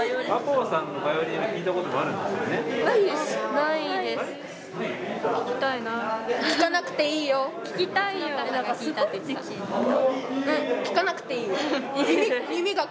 うん聴かなくていいよ。